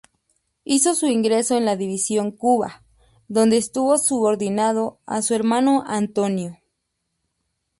Hizo su ingreso en la División Cuba, donde estuvo subordinado a su hermano Antonio.